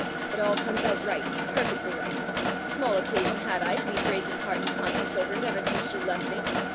It all comes out right, perfectly right! Small occasion had I to be breaking heart and conscience over it ever since she left me!